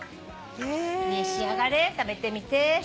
召し上がれ食べてみて。